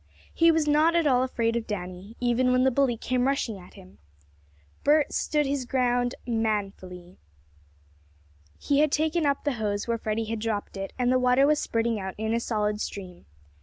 He was not at all afraid of Danny, even when the bully came rushing at him. Bert stood his ground manfully. He had taken up the hose where Freddie had dropped it, and the water was spurting out in a solid stream.